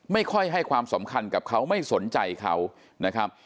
ไม่ค่อยให้ความสำคัญกับเขาไม่สนใจเขานะครับ